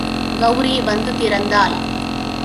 கௌரி வந்து திறந்தாள்.